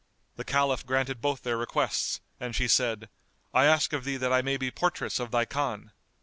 The Caliph granted both their requests and she said, "I ask of thee that I may be portress of thy Khan."